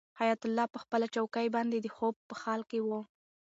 حیات الله په خپله چوکۍ باندې د خوب په حال کې و.